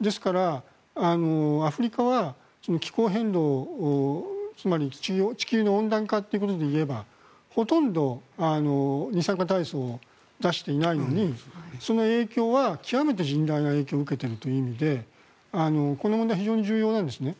ですから、アフリカは気候変動、つまり地球の温暖化ということでいえばほとんど二酸化炭素を出していないのにその影響は極めて甚大な影響を受けているという意味でこの問題非常に重要なんですね。